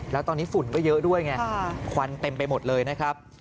แล้วตอนนี้ฝุ่นก็เยอะด้วยไงควันเต็มไปหมดเลยนะครับ